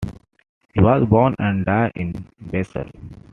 He was born and died in Basel.